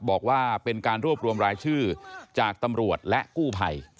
บอกว่าเป็นการรวบรวมรายชื่อจากตำรวจและกู้ภัย